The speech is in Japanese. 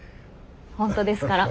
本当ですから。